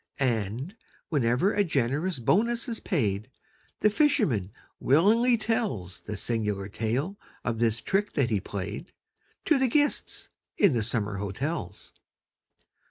And, whenever a generous bonus is paid, The fisherman willingly tells The singular tale of this trick that he played, To the guests in the summer hotels.